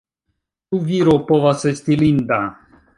Ĉu viro povas esti linda?